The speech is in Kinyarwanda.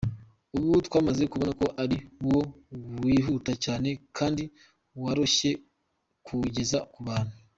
Ubu twamaze kubona ko ari wo wihuta cyane kandi woroshye kuwugeza ku bantu.